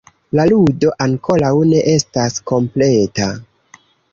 La ludo ankoraŭ ne estas kompleta: